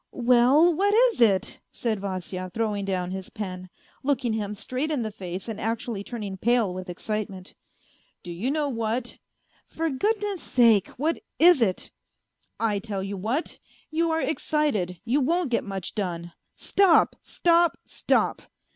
" Well, what is it ?" said Vasya, throwing down his pen, looking him straight in the face and actually turning pale with excitement. " Do you know what ?"" For goodness sake, what is it ?" 164 A FAINT HEART " I tell you what, you are excited, you won't get much done. ... Stop, stop, stop